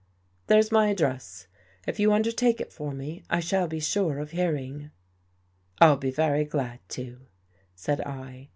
There's my address. If you undertake it for me, I shall be sure of hearing." " I'll be very glad to," said I.